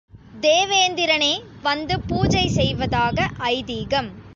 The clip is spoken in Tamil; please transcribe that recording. தேவேந்திரனே வந்து பூஜை செய்வதாக ஐதீகம்.